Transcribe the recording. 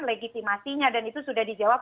legitimasinya dan itu sudah dijawab